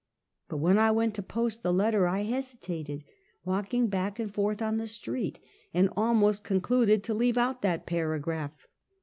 But when I went to post the letter, I hesitated, walked back and forth on the street, and almost con cluded to leave out that paragraph.